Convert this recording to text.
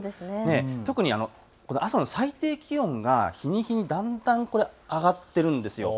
特に朝の最低気温は日に日にだんだん上がっているんです。